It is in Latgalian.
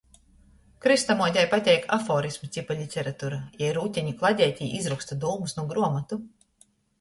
Krystamuotei pateik aforismu tipa literatura, jei rūteņu kladeitē izroksta dūmys nu gruomotu.